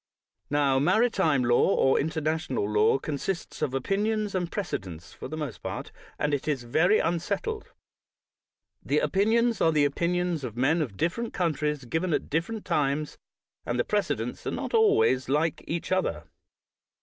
Now, maritime law, or international law, con sists of opinions and precedents for the most part, and it is very unsettled. The opinions are the opinions of men of different countries, given at different times; and the precedents are not always like each other.